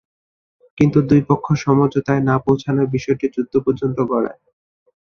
কিন্তু, দুই পক্ষ সমঝোতায় না পৌঁছানোয় বিষয়টি যুদ্ধ পর্যন্ত গড়ায়।